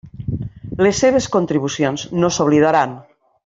Les seves contribucions no s'oblidaran.